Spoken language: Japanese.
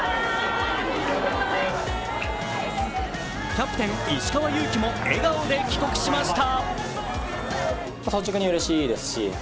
キャプテン・石川祐希も笑顔で帰国しました。